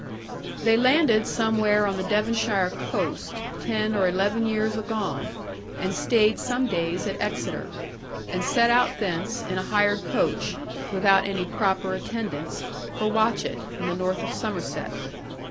'They landed somewhere on the Devonshire coast, ten or eleven years agone, and stayed some days at Exeter; and set out thence in a hired coach, without any proper attendance, for Watchett, in the north of Somerset.